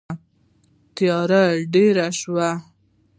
تیاره ډېره شوه.